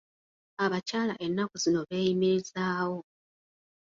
Abakyala ennaku zino beeyimirizaawo.